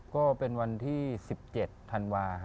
ก็เป็นวันที่๑๗นฮะ